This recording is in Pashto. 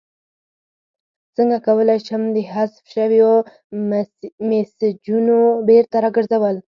څنګه کولی شم د حذف شویو میسجونو بیرته راګرځول